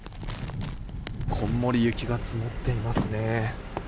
こんもり雪が積もっていますね。